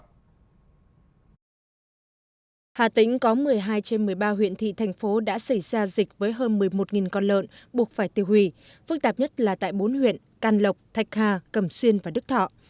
hà tĩnh có một mươi hai trên một mươi ba huyện thị thành phố đã xảy ra dịch với hơn một mươi một con lợn buộc phải tiêu hủy phức tạp nhất là tại bốn huyện can lộc thạch hà cầm xuyên và đức thọ